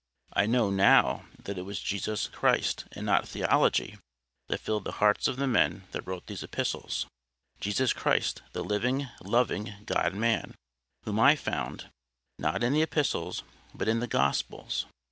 I know NOW that it was Jesus Christ and not theology that filled the hearts of the men that wrote those epistles—Jesus Christ, the living, loving God Man, whom I found—not in the Epistles, but in the Gospels.